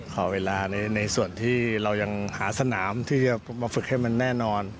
ขอเวลาในส่วนที่เรายังหาสนามที่จะมาฝึกให้มันแน่นอน